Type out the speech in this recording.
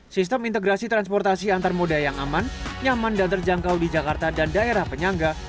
sistem integrasi transportasi antar moda yang aman nyaman dan terjangkau di jakarta dan daerah penyangga